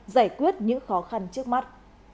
giải quyết những khó khăn trước mắt